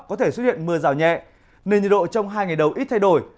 có thể xuất hiện mưa rào nhẹ nên nhiệt độ trong hai ngày đầu ít thay đổi